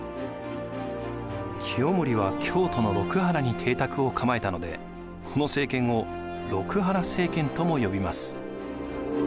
清盛は京都の六波羅に邸宅を構えたのでこの政権を六波羅政権とも呼びます。